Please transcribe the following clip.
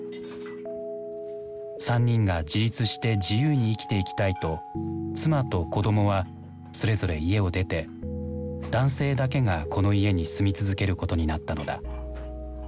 ３人が自立して自由に生きていきたいと妻と子どもはそれぞれ家を出て男性だけがこの家に住み続けることになったのだ。